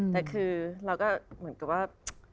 ได้พู้นกับเหมือนกับว่า